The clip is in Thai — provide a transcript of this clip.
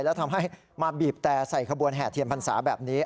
แล้วทำให้มาบีบแต่ใส่ขบวนแห่เทียนพรรษาแบบนี้